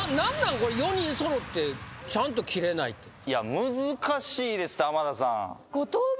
これ４人そろってちゃんと切れないっていや難しいですって浜田さん